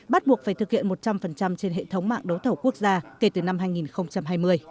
bắt buộc phải thực hiện một trăm linh trên hệ thống mạng đấu thầu quốc gia kể từ năm hai nghìn hai mươi